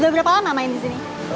udah berapa lama main di sini